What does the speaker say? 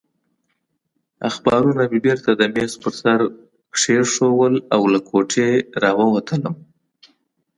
اخبارونه مې بېرته د مېز پر سر کېښودل او له کوټې راووتلم.